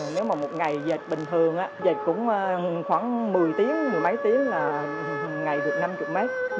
nếu mà một ngày dệt bình thường dệt cũng khoảng một mươi tiếng một mươi mấy tiếng là ngày được năm mươi mét